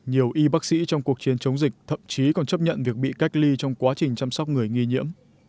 nhiều y bác sĩ trong cuộc chiến chống dịch thậm chí còn chấp nhận việc bị cách ly trong quá trình chăm sóc người nghi nhiễm